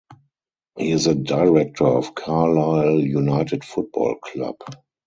He is a director of Carlisle United Football Club.